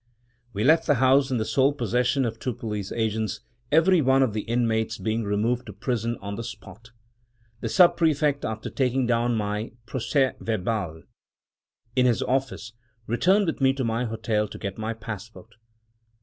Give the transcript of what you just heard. We left the house in the sole possession of two police agents — every one of the inmates being removed to prison on the spot. The Sub prefect, after taking down my "proces verbal" in his office, returned with me to my hotel to get my passport.